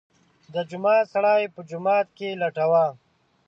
د جومات سړی په جومات کې لټوه.